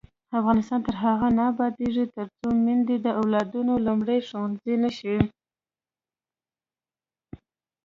افغانستان تر هغو نه ابادیږي، ترڅو میندې د اولادونو لومړنی ښوونځی نشي.